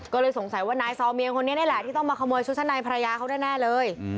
ก็เลยสงสัยว่านายซอเมียคนนี้นี่แหละที่ต้องมาขโมยชุดชั้นในภรรยาเขาแน่เลย